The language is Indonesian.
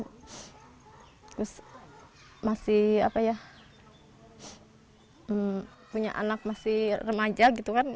terus masih punya anak masih remaja gitu kan